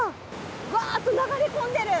わっと流れ込んでる。